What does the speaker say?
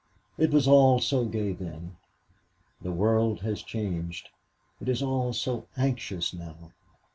It was all so gay then. The world has changed. It is all so anxious now.